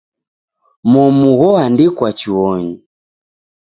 Momu ghoandikwa chuonyi.